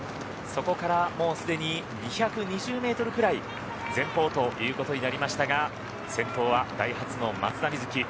そこからもうすでに２２０ｍぐらい前方ということになりましたが先頭はダイハツの松田瑞生